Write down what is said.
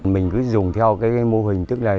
mình cứ dùng theo cái mô hình tức là